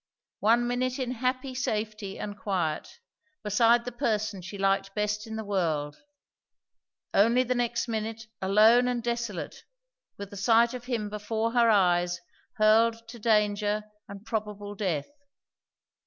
One minute in happy safety and quiet, beside the person she liked best in the world; only the next minute alone and desolate, with the sight of him before her eyes hurled to danger and probable death.